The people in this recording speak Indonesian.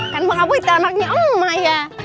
kan bang apoi anaknya emak ya